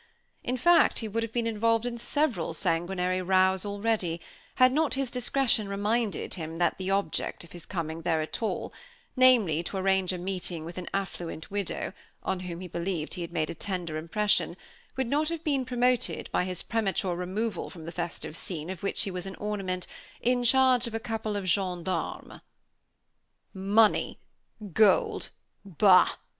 In fact, he would have been involved in several sanguinary rows already, had not his discretion reminded him that the object of his coming there at all, namely, to arrange a meeting with an affluent widow, on whom he believed he had made a tender impression, would not have been promoted by his premature removal from the festive scene of which he was an ornament, in charge of a couple of gendarmes. "Money! Gold! Bah!